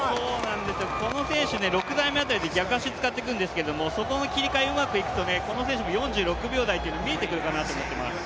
この選手、６台目あたりで逆足を使ってくるんですけどそこの切り替えがうまくいくとこの選手も４６秒台が見えてくると思ってます。